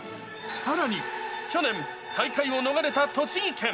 さらに、去年、最下位を逃れた栃木県。